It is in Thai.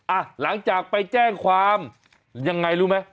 อ่ะหลังจากไปแจ้งความยังไงรู้ไหม